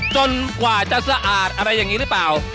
จนกว่าจะสะอาดอะไรอย่างนี้หรือเปล่า